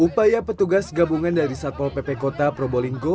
upaya petugas gabungan dari satpol pp kota probolinggo